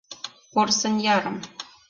— Порсын ярым!